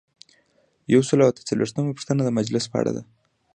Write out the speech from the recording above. یو سل او اته څلویښتمه پوښتنه د مجلس په اړه ده.